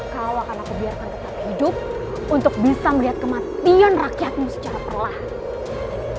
kau akan aku biarkan tetap hidup untuk bisa melihat kematian rakyatmu secara perlahan